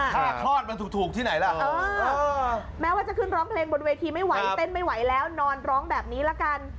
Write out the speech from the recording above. ถ้าคลอดมันถูกที่ไหนล่ะแม้ว่าจะขึ้นร้องเพลงบนเวทีไม่ไหวเต้นไม่ไหวแล้วนอนร้องแบบนี้ละกัน